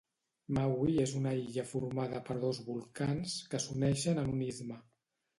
Maui és una illa formada per dos volcans que s'uneixen en un istme.